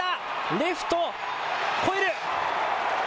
レフト、越える。